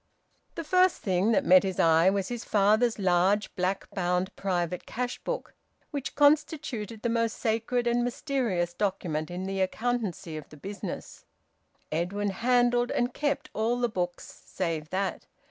The first thing that met his eye was his father's large, black bound private cash book, which constituted the most sacred and mysterious document in the accountancy of the business. Edwin handled, and kept, all the books save that.